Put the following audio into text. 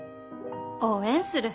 応援する。